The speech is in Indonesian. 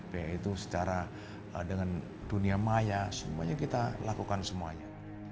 baik itu secara dengan dunia maya semuanya kita lakukan semuanya